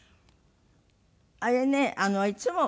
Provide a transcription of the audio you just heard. あれねいつも。